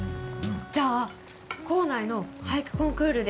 じゃ校内の俳句コンクールで